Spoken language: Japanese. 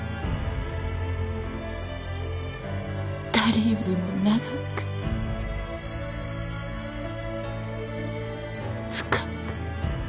誰よりも長く深く。